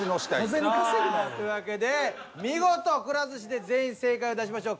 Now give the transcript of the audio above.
小銭稼ぐなよ。というわけで見事「くら寿司」で全員正解を出しましょう！